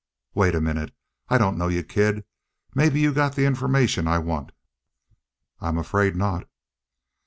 "Wait a minute. I don't know you, kid. Maybe you got the information I want?" "I'm afraid not."